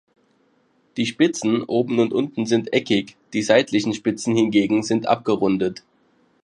Die Spitzen oben und unten sind eckig, die seitlichen Spitzen hingegen sind abgerundet.